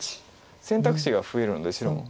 選択肢が増えるので白も。